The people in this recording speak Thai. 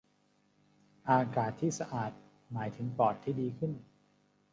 อากาศที่สะอาดหมายถึงปอดที่ดีขึ้น